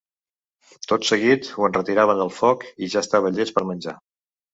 Tot seguit ho enretiraven del foc i ja estava llest per menjar.